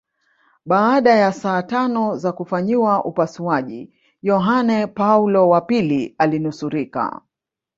Baada ya saa tano za kufanyiwa upasuaji Yohane Paulo wa pili alinusurika